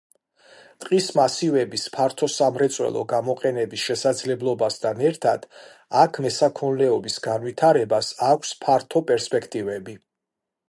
ტყის მასივების ფართო სამრეწველო გამოყენების შესაძლებლობასთან ერთად აქ მესაქონლეობის განვითარებას აქვს ფართო პერსპექტივები.